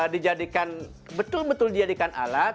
dijadikan betul betul dijadikan alat